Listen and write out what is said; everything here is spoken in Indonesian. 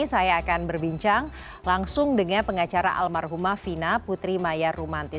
saya akan berbincang langsung dengan pengacara almarhumah fina putri maya rumanti